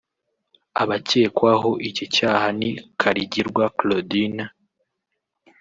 Abakekwaho iki cyaha ni Karigirwa Claudine